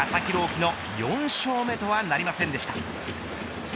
希の４勝目とはなりませんでした。